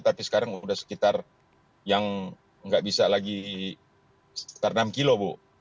tapi sekarang sudah sekitar yang nggak bisa lagi sekitar enam kilo bu